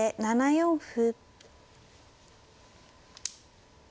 後手６四歩。